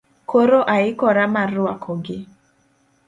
Koro aikora mar rwakogi